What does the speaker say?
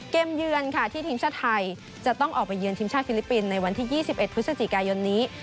เยือนค่ะที่ทีมชาติไทยจะต้องออกไปเยือนทีมชาติฟิลิปปินส์ในวันที่๒๑พฤศจิกายนนี้